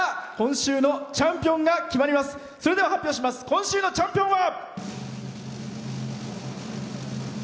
今週のチャンピオンは。